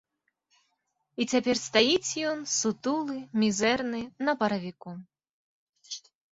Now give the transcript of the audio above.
І цяпер стаіць ён, сутулы, мізэрны, на паравіку.